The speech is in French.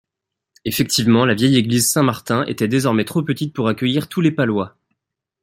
Effectivement, la vieille église Saint-Martin était désormais trop petite pour accueillir tous les palois.